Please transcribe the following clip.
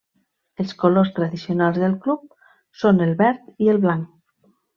Els colors tradicionals del club són el verd i el blanc.